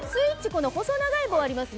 この細長い棒ありますね。